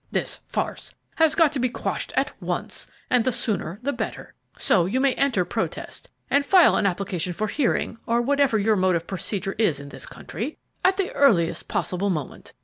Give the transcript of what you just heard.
This farce has got to be quashed at once, and the sooner the better, so you may enter protest and file an application for hearing, or whatever your mode of procedure is in this country, at the earliest possible moment.